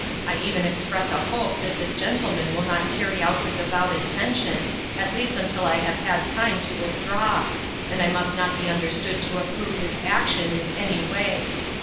I even express a hope that this gentleman will not carry out his avowed inten tion, at least until I have had time to with draw, and I must not be understood to approve his action in any way.